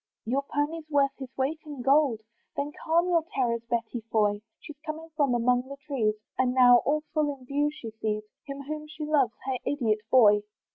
Your pony's worth his weight in gold, Then calm your terrors, Betty Foy! She's coming from among the trees, And now, all full in view, she sees Him whom she loves, her idiot boy.